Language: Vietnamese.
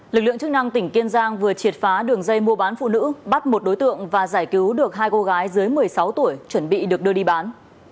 lực lượng chức năng tỉnh kiên giang vừa triệt phá đường dây mua bán phụ nữ bắt một đối tượng và giải cứu được hai cô gái dưới một mươi sáu tuổi chuẩn bị được đưa đi bán